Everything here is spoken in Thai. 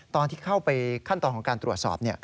ตอนที่เข้าไปขั้นตอนของการตรวจสอบ